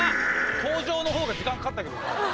口上の方が時間かかったけどな。